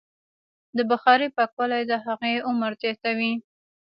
د بخارۍ پاکوالی د هغې عمر زیاتوي.